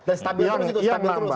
dan stabilan itu